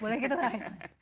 boleh gitu kan